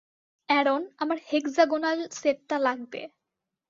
Aaron, আমার hexagonal সেটটা লাগবে।